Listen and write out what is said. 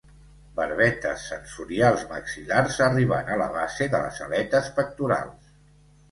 Barbetes sensorials maxil·lars arribant a la base de les aletes pectorals.